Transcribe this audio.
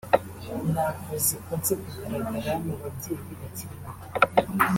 ntabwo zikunze kugaragara mu babyeyi bakiri bato